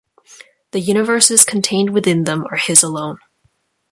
The universes contained within them are his alone.